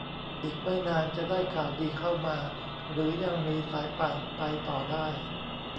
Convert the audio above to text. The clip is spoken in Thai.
อีกไม่นานจะได้ข่าวดีเข้ามา หรือยังมีสายป่านไปต่อได้